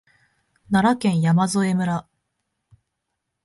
奈良県山添村